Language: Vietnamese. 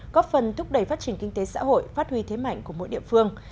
góp phần thúc đẩy phát triển kinh tế xã hội phát huy thế mạnh của mỗi địa phương